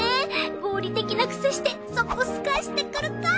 合理的なくせしてそこスカしてくるか！